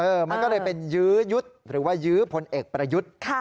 มันก็เลยเป็นยื้อยุดหรือว่ายื้อพลเอกประยุทธ์